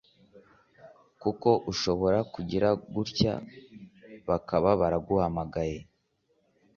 kuko ushobora kugira gutya bakaba baraguhamagaye